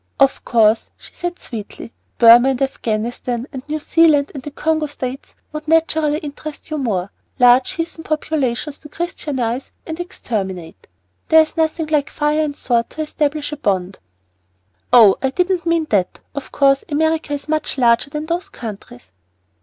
"Of course," she said, sweetly, "Burmah and Afghanistan and New Zealand and the Congo States would naturally interest you more, large heathen populations to Christianize and exterminate. There is nothing like fire and sword to establish a bond." "Oh, I didn't mean that. Of course America is much larger than those countries."